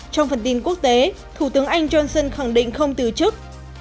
trong phần tin quốc tế thủ tướng anh johnson khẳng định không từ chức